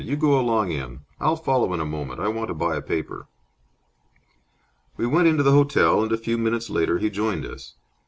You go along in. I'll follow in a moment. I want to buy a paper." We went into the hotel, and a few minutes later he joined us.